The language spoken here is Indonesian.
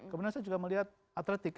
kemudian saya juga melihat atletik